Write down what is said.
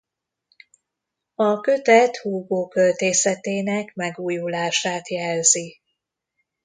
A kötet Hugo költészetének megújulását jelzi.